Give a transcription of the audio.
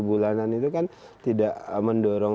bulanan itu kan tidak mendorong